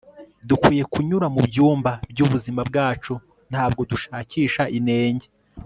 dukwiye kunyura mu byumba by'ubuzima bwacu ntabwo dushakisha inenge